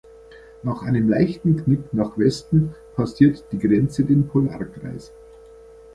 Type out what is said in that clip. Nach einem leichten Knick nach Westen passiert die Grenze den Polarkreis.